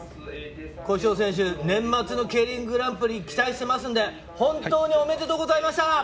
古性選手、年末のＫＥＩＲＩＮグランプリ期待していますので、本当におめでとうございました。